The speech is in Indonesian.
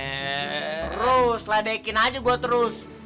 terus ladekin aja gue terus